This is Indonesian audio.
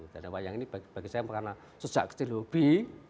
dan wayang ini bagi saya karena sejak kecil hobi